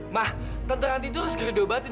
mah tante ranti itu harus dikendalikan